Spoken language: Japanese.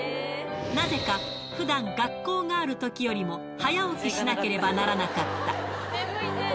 なぜかふだん学校があるときよりも早起きしなければならなかった。